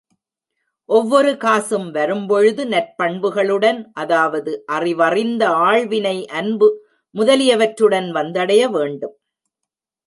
ஒவ்வொரு காசும் வரும்பொழுது நற்பண்புகளுடன் அதாவது அறிவறிந்த ஆள்வினை அன்பு முதலியவற்றுடன் வந்தடைய வேண்டும்.